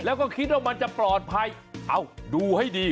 แล้วก็คิดว่ามันจะปลอดภัยเอาดูให้ดี